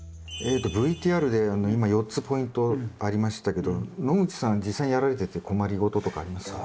ＶＴＲで今４つポイントありましたけど野口さん実際にやられてて困り事とかありますか？